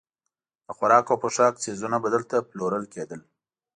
د خوراک او پوښاک څیزونه به دلته پلورل کېدل.